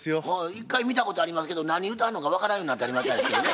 一回見たことありますけど何言うてはんのか分からんようになってはりましたですけどね。